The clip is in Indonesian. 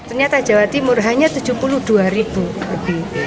ternyata jawa timur hanya tujuh puluh dua ribu lebih